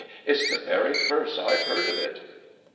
It's the very first I've heard of it!